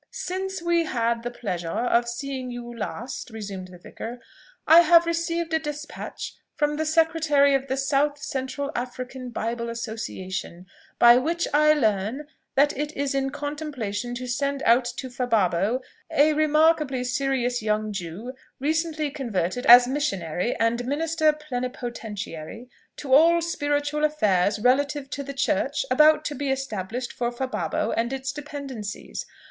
"Since we had the pleasure of seeing you last," resumed the vicar, "I have received a despatch from the secretary of the South Central African Bible Association, by which I learn that it is in contemplation to send out to Fababo a remarkably serious young Jew, recently converted, as missionary, and minister plenipotentiary in all spiritual affairs relative to the church about to be established for Fababo and its dependencies.